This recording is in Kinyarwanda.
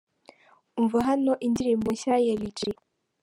Umva hano indirimbo nsha ya Lil G .